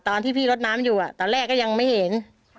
ตอนที่พี่รถน้ำอยู่ตอนแรกก็ยังไม่เห็น